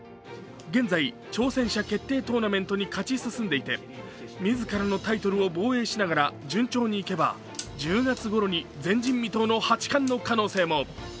現在、挑戦者決定トーナメントに勝ち進んでいて自らのタイトルを防衛しながら順調にいけば１０月ごろに前人未到の八冠の可能性も。